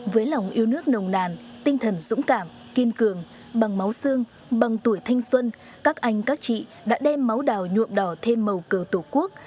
với lòng yêu nước nồng nàn tinh thần dũng cảm kiên cường bằng máu xương bằng tuổi thanh xuân các anh các chị đã đem máu đào nhuộm đỏ thêm màu cờ tổ quốc